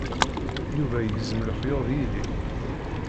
Yuba yegzem lexyuḍ yid-i.